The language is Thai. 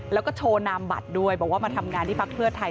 แล้วก็โชว์นามบัตรด้วยบอกว่ามาทำงานที่พักเพื่อไทย